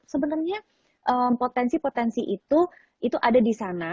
sebenarnya potensi potensi itu itu ada di sana